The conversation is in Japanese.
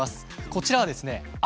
こちらはですね